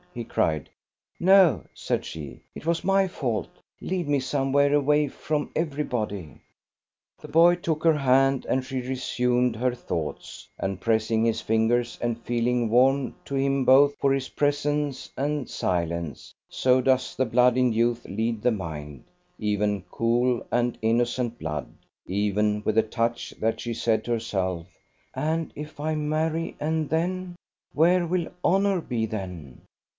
he cried. "No," said she, "it was my fault. Lead me somewhere away from everybody." The boy took her hand, and she resumed her thoughts; and, pressing his fingers and feeling warm to him both for his presence and silence, so does the blood in youth lead the mind, even cool and innocent blood, even with a touch, that she said to herself, "And if I marry, and then ... Where will honour be then?